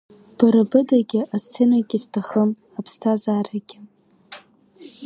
Бара быда асценагьы сҭахым, аԥсҭазаарагьы!